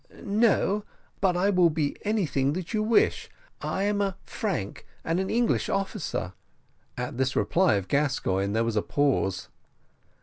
"No, but I will be anything that you wish. I am a Frank, and an English officer." At this reply of Gascoigne there was a pause.